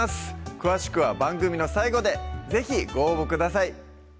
詳しくは番組の最後で是非ご応募ください